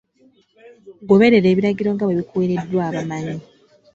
Goberera ebiragiro nga bwe bikuweereddwa abamanyi.